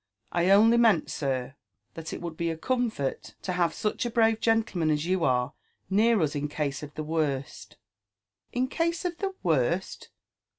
I only meant, sir, that it would be a comfort to have such a bravo gentleman as you are near us in case of the worst." " In case of the worst!